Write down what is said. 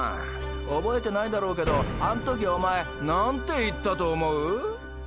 憶えてないだろうけどあん時おまえ何て言ったと思う？